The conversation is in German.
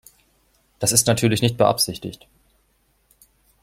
Das ist natürlich nicht beabsichtigt.